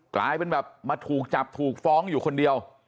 กลายเป็นแบบมาถูกจับถูกฟ้องอยู่คนเดียว